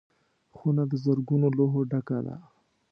خونه د زرګونو لوحو ډکه ده.